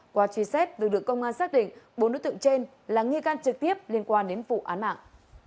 qua truy sát được được công an xác định bốn đối tượng trên là nghi can trực tiếp liên quan đến vụ án mạng